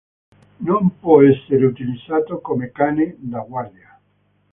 Non può essere utilizzato come cane da guardia.